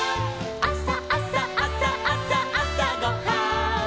「あさあさあさあさあさごはん」